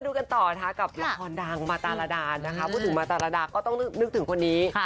ดูกันต่อนะคะกับละครดังมาตารดานะคะพูดถึงมาตรดาก็ต้องนึกถึงคนนี้